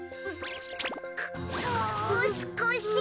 もうすこし。